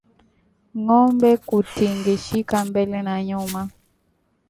Ngombe kutingishika mbele na nyuma